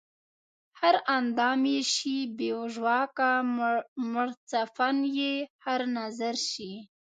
هر اندام ئې شي بې ژواکه مړڅپن ئې هر نظر شي